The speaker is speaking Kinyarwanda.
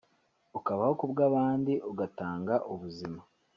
ukabaho ku bw’abandi ugatanga ubuzima